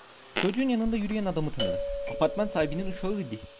Çocuğun yanında yürüyen adamı tanıdı: Apartman sahibinin uşağı idi.